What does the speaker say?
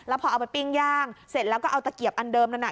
พอเอาไปปิ้งย่างเสร็จแล้วก็เอาตะเกียบอันเดิมนั้นน่ะ